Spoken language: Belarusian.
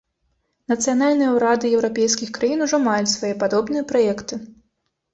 Нацыянальныя ўрады еўрапейскіх краін ужо маюць свае падобныя праекты.